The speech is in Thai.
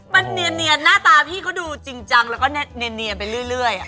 มันเนียนหน้าตาพี่ก็ดูจริงจัง